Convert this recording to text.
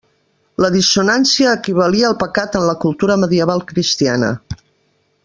La dissonància equivalia al pecat en la cultura medieval cristiana.